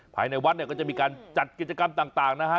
ภายในวัดเนี่ยก็จะมีการจัดกิจกรรมต่างนะฮะ